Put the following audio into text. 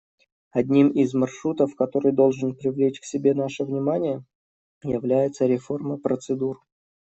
Одним из "маршрутов", который должен привлечь к себе наше внимание, является реформа процедур.